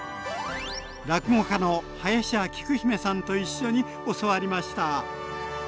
落語家の林家きく姫さんと一緒に教わりました。